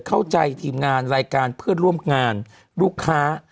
ทีมงานรายการเพื่อนร่วมงานลูกค้า